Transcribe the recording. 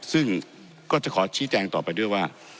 ซึ่งก็จะขอชี้แจงต่อไปด้วยว่า